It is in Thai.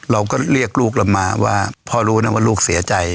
เราก็เรียกลูกเรามาว่าพ่อรู้นะว่าลูกเสียใจ